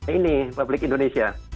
ini publik indonesia